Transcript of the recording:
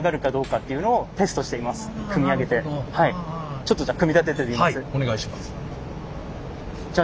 ちょっとじゃあ組み立ててみます。